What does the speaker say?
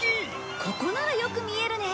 ここならよく見えるね。